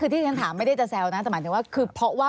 ที่ถามไม่ได้จะแซวนะแต่หมายถึงว่า